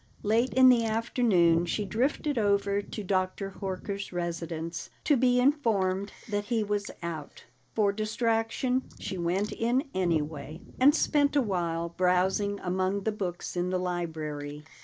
Late in the afternoon she drifted over to Dr. Horker's residence, to be informed that he was out. For distraction, she went in anyway, and spent a while browsing among the books in the library.